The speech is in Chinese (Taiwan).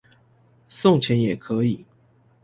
送錢也可以